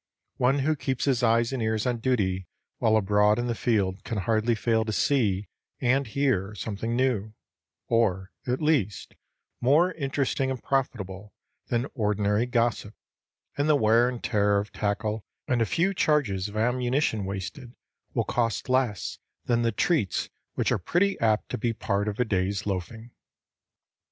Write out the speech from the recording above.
One who keeps his eyes and ears on duty while abroad in the field can hardly fail to see and hear something new, or, at least, more interesting and profitable than ordinary gossip, and the wear and tear of tackle and a few charges of ammunition wasted will cost less than the treats which are pretty apt to be part of a day's loafing.